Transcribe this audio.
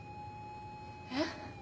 えっ？